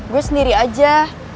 gua sendiri aja